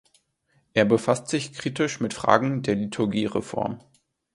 Er befasst sich kritisch mit Fragen der Liturgiereform.